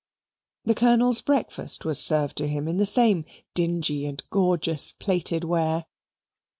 The Colonel's breakfast was served to him in the same dingy and gorgeous plated ware.